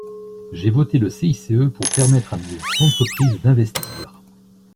J’ai voté le CICE pour permettre à nos entreprises d’investir.